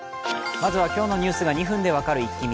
まずは今日のニュースが２分で分かるイッキ見。